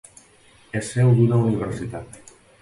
És seu d'una universitat.